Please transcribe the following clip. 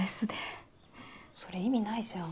それ意味ないじゃん。